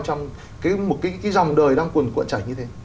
trong một cái dòng đời đang cuồn cuộn chảy như thế